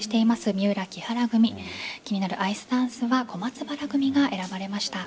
三浦・木原組気になるアイスダンスは小松原組が選ばれました。